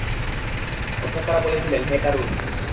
অর্থাৎ তারা বলেছিলেন, হে কারূন!